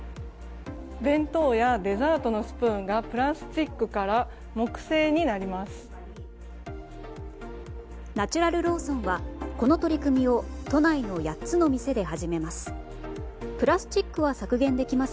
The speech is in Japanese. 弁当やデザートのスプーンがプラスチックからナチュラルローソンはこの取り組みを都内の８つの店で始めます。